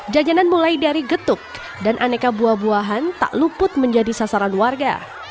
jajanan mulai dari getuk dan aneka buah buahan tak luput menjadi sasaran warga